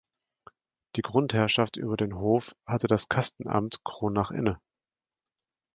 Die Grundherrschaft über den Hof hatte das Kastenamt Kronach inne.